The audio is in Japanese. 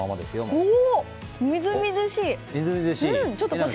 みずみずしい！